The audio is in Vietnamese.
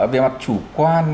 về mặt chủ quan